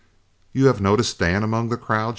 "You have noticed Dan among the crowd?"